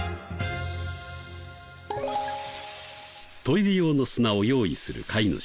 トイレ用の砂を用意する飼い主。